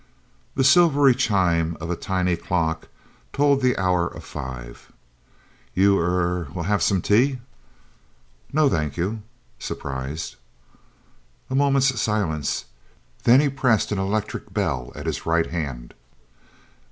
The silvery chime of a tiny clock told the hour of five. "You er will have some tea?" "No, thank you," surprised. A moment's silence, then he pressed an electric bell at his right hand.